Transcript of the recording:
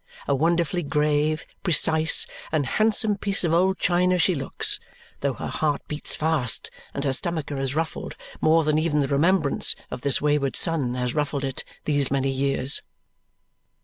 A wonderfully grave, precise, and handsome piece of old china she looks, though her heart beats fast and her stomacher is ruffled more than even the remembrance of this wayward son has ruffled it these many years.